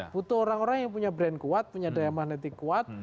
butuh orang orang yang punya brand kuat punya daya magnetik kuat